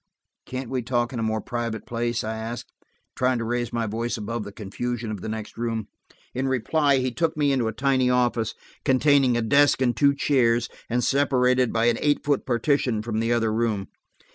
"Can't we talk in a more private place?" I asked, trying to raise my voice above the confusion of the next room. In reply he took me into a tiny office, containing a desk and two chairs, and separated by an eight foot partition from the other room.